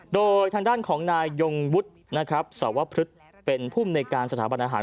โดยทางด้านของนายยงวุฒินะครับสวพฤกษ์เป็นภูมิในการสถาบันอาหาร